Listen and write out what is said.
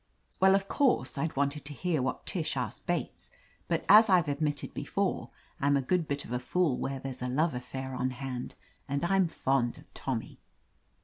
Well, of course, I'd wanted to hear what Tish asked Bates, but as I've admitted before, I'm a good bit of a fool where there's a love affair on hand, and I'm fond of Tommy.